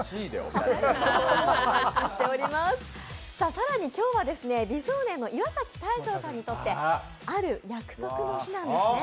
更に今日は美少年の岩崎大昇さんにとってある約束の日なんですね。